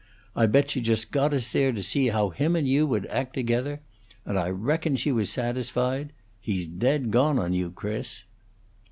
I bet she just got us there to see how him and you would act together. And I reckon she was satisfied. He's dead gone on you, Chris."